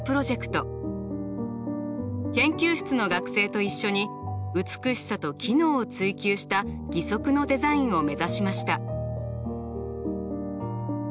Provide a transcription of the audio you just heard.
研究室の学生と一緒に美しさと機能を追求した義足のデザインを目指しました。